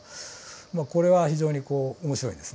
まあこれは非常にこう面白いですね。